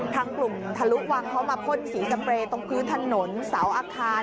ทางกลุ่มทะลุวังเขามาพ่นสีจำเปรย์ตรงพื้นถนนเสาอาคาร